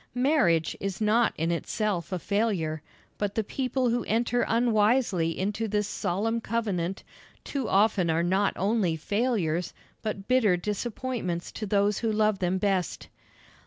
Marriage is not in itself a failure, but the people who enter unwisely into this solemn covenant too often are not only failures, but bitter disappointments to those who love them best.